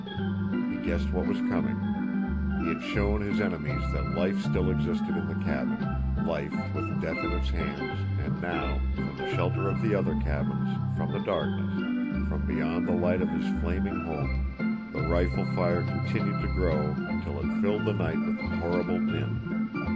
He guessed what was coming. He had shown his enemies that life still existed in the cabin, life with death in its hands, and now—from the shelter of the other cabins, from the darkness, from beyond the light of his flaming home, the rifle fire continued to grow until it filled the night with a horrible din.